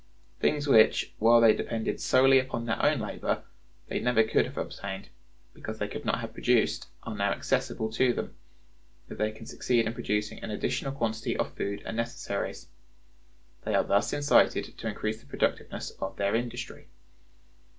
Things which, while they depended solely upon their own labor, they never could have obtained, because they could not have produced, are now accessible to them if they can succeed in producing an additional quantity of food and necessaries. They are thus incited to increase the productiveness of their industry.